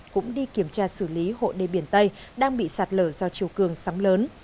cũng đi kiểm tra xử lý hộ đề biển tây đang bị sạt lở do chiều cương sáng lớn